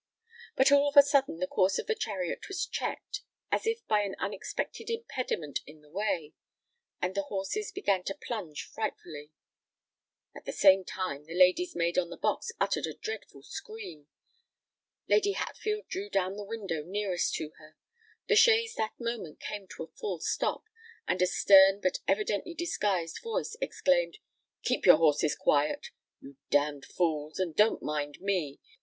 But all of a sudden the course of the chariot was checked—as if by an unexpected impediment in the way; and the horses began to plunge frightfully. At the same time the lady's maid on the box uttered a dreadful scream. Lady Hatfield drew down the window nearest to her: the chaise that moment came to a full stop; and a stern, but evidently disguised voice exclaimed, "Keep your horses quiet, you damned fools—and don't mind me!